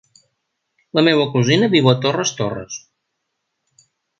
La meva cosina viu a Torres Torres.